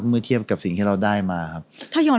เมื่อเทียบกับสิ่งที่เราได้มาครับ